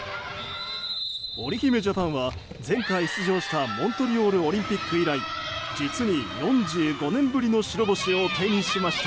織姫ジャパンは前回出場したモントリオールオリンピック以来実に４５年ぶりの白星を手にしました。